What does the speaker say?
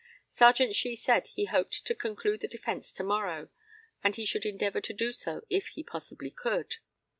Serjeant SHEE said he hoped to conclude the defence to morrow; and he should endeavour to do so if he possibly could.